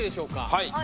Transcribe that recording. はい。